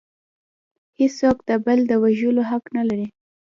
هیڅوک د بل د وژلو حق نلري